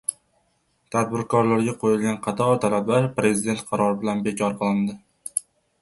Tadbirkorlarga qo‘yilgan qator talablar Prezident qarori bilan bekor qilindi